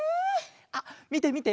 あっみてみて！